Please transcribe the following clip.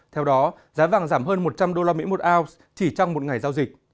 theo đó giá vàng giảm hơn một trăm linh usd một ounce chỉ trong một ngày giao dịch